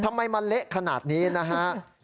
ทำไมมันเละขนาดนี้นะฮะ